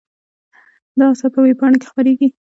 دا اثر په وېبپاڼه کې خپریږي.